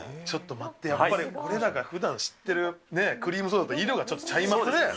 ちょっと待って、やっぱり俺らがふだん知ってるクリームソーダと色がちょっとちゃいますね。